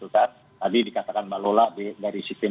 tadi dikatakan mbak lola dari sistem